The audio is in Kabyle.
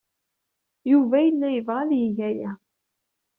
Yuba yella yebɣa ad yeg aya.